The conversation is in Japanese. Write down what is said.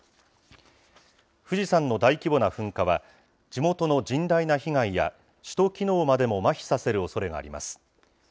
富士山の大規模な噴火は、地元の甚大な被害や首都機能までもまひさせるおそれがあります。